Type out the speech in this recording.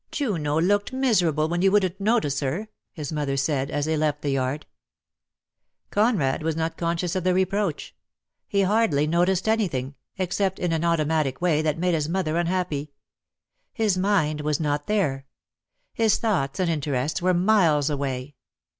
"Juno looked miserable when you wouldn't notice her," his mother said, as they left the yard. •' Conrad was not conscious of the reproach. He hardly noticed anything, except in an automatic way that made his mother unhappy. His mind was not there, ffis thoughts and interests were miles away.